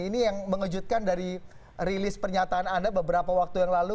ini yang mengejutkan dari rilis pernyataan anda beberapa waktu yang lalu